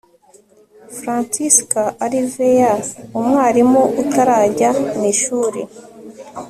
Francisca Alvear umwarimu utarajya mu ishuri